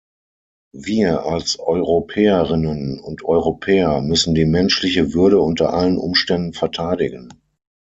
Wir, als Europäerinnen und Europäer, müssen die menschliche Würde unter allen Umständen verteidigen.